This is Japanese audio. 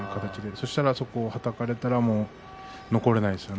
そこをはたかれたら残れないですね。